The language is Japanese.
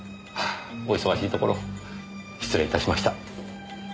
お忙しいところ失礼いたしました。